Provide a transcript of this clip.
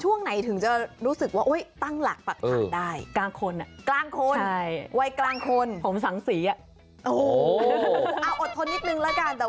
ช่วงไหนถึงจะรู้สึกว่าตั้งหลักปรักษณะได้